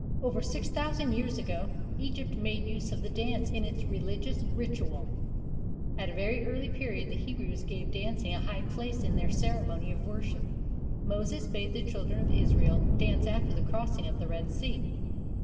Over six thousand years ago Egypt made use of the dance in its religious ritual. At a very early period the Hebrews gave dancing a high place in their ceremony of worship. Moses bade the children of Israel dance after the crossing of the Red Sea.